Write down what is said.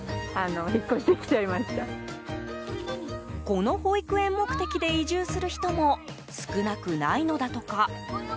この保育園目的で移住する人も少なくないのだとか。